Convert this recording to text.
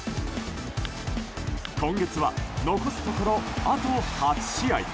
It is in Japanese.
今月は残すところ、あと８試合。